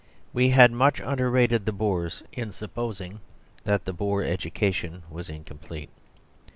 We had much underrated the Boers in supposing that the Boer education was incomplete.